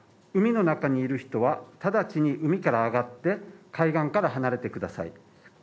海の中にいる人は直ちに海から上がって海岸から離れてください。